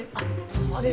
そうですか！